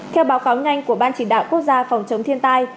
theo báo cáo nhanh của ban chỉ đạo quốc gia phòng chống thiên tai